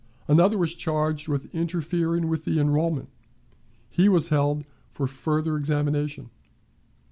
Another was charged with interfering with the enrollment; he was held for further examination.